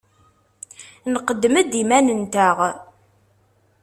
Nqeddem-d iman-nteɣ.